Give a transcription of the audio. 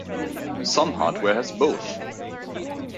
Some hardware has both.